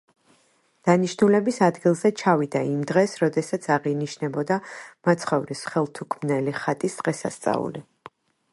დანიშნულების ადგილზე ჩავიდა იმ დღეს, როდესაც აღინიშნებოდა მაცხოვრის ხელთუქმნელი ხატის დღესასწაული.